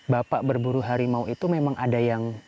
bapak berburu harimau itu memang ada yang